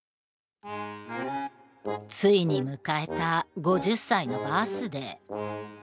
ついに迎えた５０歳のバースデー。